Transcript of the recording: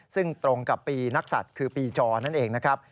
ซึ่งตรงกับปีนักศัตริย์คือปีจอนั่นเองนะครับ